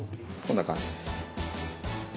こんな感じですね。